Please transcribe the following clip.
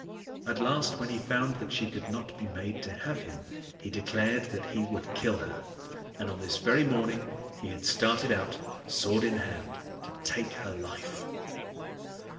At last when he found that she could not be made to have him, he declared that he would kill her; and on this very morning he had started out, sword in hand, to take her life.